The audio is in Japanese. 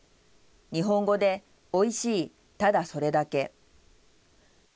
日本語でおいしい、ただそれだけ。